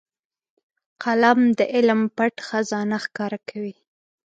قلم د علم پټ خزانه ښکاره کوي